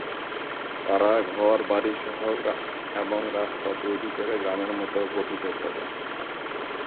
তারা ঘর-বাড়িসহ এবং রাস্তা তৈরি করে গ্রামের মত গঠিত করে।